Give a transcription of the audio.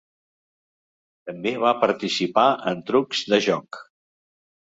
També va participar en trucs de joc.